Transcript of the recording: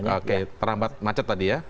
oke terambat macet tadi ya